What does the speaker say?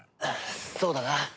そうだな。